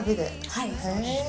はい。